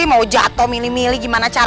aku akan menganggap